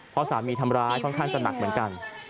เพราะสามีทำร้ายค่อนข้างจะหนักเหมือนกัน